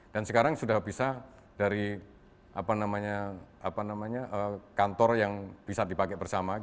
dan sekarang sudah bisa dari kantor yang bisa dipakai bersama